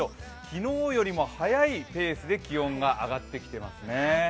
昨日よりも早いペースで気温が上がってきていますね。